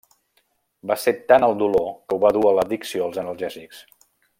Va ser tant el dolor que ho va dur a l'addicció als analgèsics.